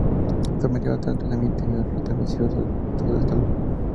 Sometido a tal tratamiento, vio restablecido su estado de salud.